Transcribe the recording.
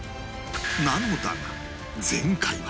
なのだが前回は